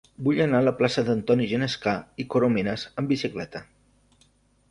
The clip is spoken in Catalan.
Vull anar a la plaça d'Antoni Genescà i Corominas amb bicicleta.